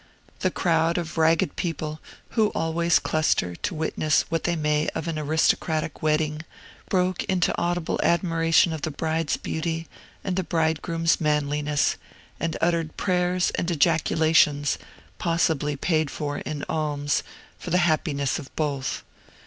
The crowd of ragged people, who always cluster to witness what they may of an aristocratic wedding, broke into audible admiration of the bride's beauty and the bridegroom's manliness, and uttered prayers and ejaculations (possibly paid for in alms) for the happiness of both.